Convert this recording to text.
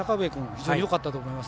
非常によかったと思います。